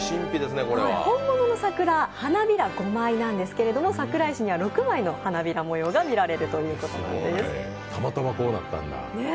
本物の桜、花びら５枚なんですが桜石には６枚の花びら模様が見られるということなんです。